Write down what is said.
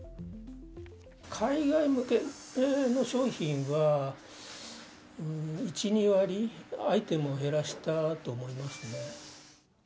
海外向けの商品は、１、２割、アイテムを減らしたと思いますね。